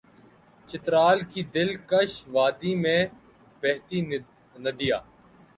چترال کی دل کش وادی میں بہتی ندیاں